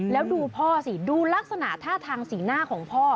แล้วดูพ่อสิดูลักษณะท่าทางสีหน้าของพ่อ